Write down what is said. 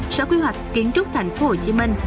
sở quy hoạch kiến trúc thành phố hồ chí minh